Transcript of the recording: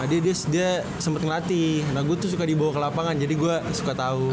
dia sempet ngelatih nah gua tuh suka dibawa ke lapangan jadi gua suka tau